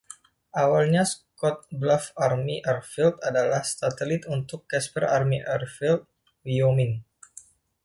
Awalnya, Scottsbluff Army Airfield adalah satelit untuk Casper Army Air Field, Wyoming.